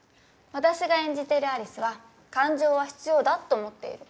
私が演じてるアリスは感情は必要だって思っている。